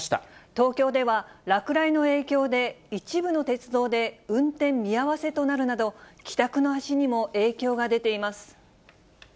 東京では、落雷の影響で、一部の鉄道で運転見合わせとなるなど、帰宅の足にも影響が出ています。